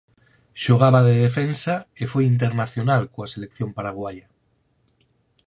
Xogaba de defensa e foi internacional coa selección paraguaia.